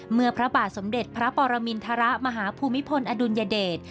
พระบาทสมเด็จพระปรมินทรมาฮภูมิพลอดุลยเดช